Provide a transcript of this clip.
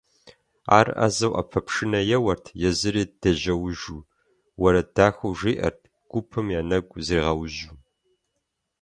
Ар ӏэзэу ӏэпэпшынэ еуэрт, езыри дежьуужу, уэрэд дахэу жиӏэрт, гупым я нэгу зригъэужьу.